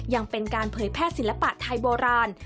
ยังเป็นการเผยแพร่ศิลปะไทยโบราณ